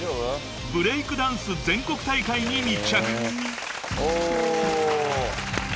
［ブレイクダンス全国大会に密着］